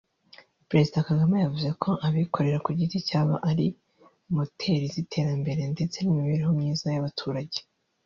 Perezida Kagame yavuze ko abikorera ku giti cyabo ari moteri z’iterambere ndetse n’imibereho myiza y’abaturage